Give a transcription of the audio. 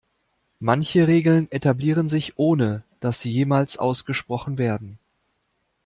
Manche Regeln etablieren sich, ohne dass sie jemals ausgesprochen werden.